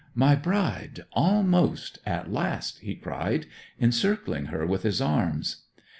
'My bride almost, at last!' he cried, encircling her with his arms.